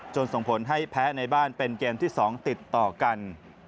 ส่งผลให้แพ้ในบ้านเป็นเกมที่๒ติดต่อกัน